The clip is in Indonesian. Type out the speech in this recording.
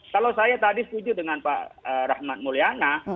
kalau saya tadi setuju dengan pak rahmat mulyana